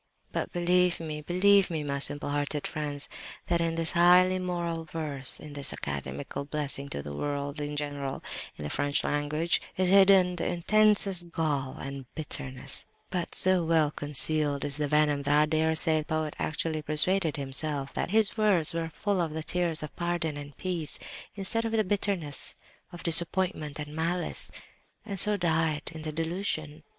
"But believe me, believe me, my simple hearted friends, that in this highly moral verse, in this academical blessing to the world in general in the French language, is hidden the intensest gall and bitterness; but so well concealed is the venom, that I dare say the poet actually persuaded himself that his words were full of the tears of pardon and peace, instead of the bitterness of disappointment and malice, and so died in the delusion.